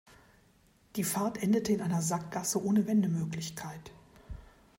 Die Fahrt endete in einer Sackgasse ohne Wendemöglichkeit.